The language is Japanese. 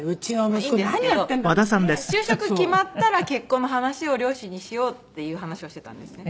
別に就職決まったら結婚の話を両親にしようっていう話をしてたんですね。